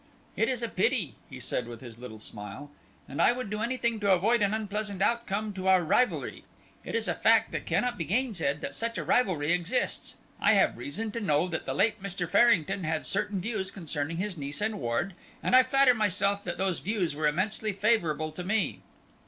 "It is a pity," he said, with his little smile, "and I would do anything to avoid an unpleasant outcome to our rivalry. It is a fact that cannot be gainsaid that such a rivalry exists. I have reason to know that the late Mr. Farrington had certain views concerning his niece and ward, and I flatter myself that those views were immensely favourable to me."